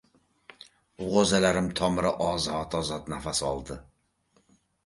G‘o‘zalarim tomiri ozod-ozod nafas oldi.